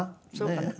そうかな。